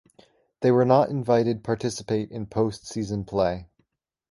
They were not invited participate in postseason play.